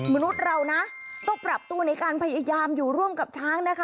มนุษย์เรานะต้องปรับตัวในการพยายามอยู่ร่วมกับช้างนะคะ